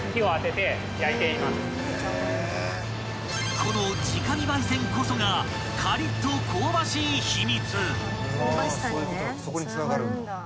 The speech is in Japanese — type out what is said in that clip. ［この直火焙煎こそがカリッと香ばしい秘密］